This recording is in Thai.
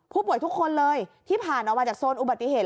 ผู้ป่วยทุกคนเลยที่ผ่านมาจากโซนอุบัติเหตุ